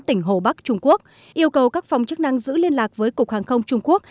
tỉnh hồ bắc trung quốc yêu cầu các phòng chức năng giữ liên lạc với cục hàng không trung quốc